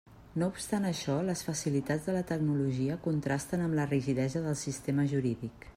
No obstant això, les facilitats de la tecnologia contrasten amb la rigidesa del sistema jurídic.